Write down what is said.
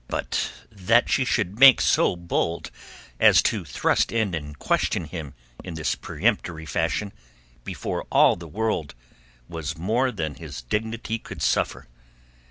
But that she should make so bold as to thrust in and question him in this peremptory fashion before all the world was more than his dignity could suffer.